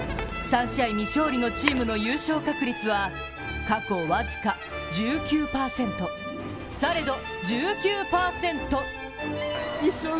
３試合未勝利のチームの優勝確率は過去僅か１９％、されど１９％。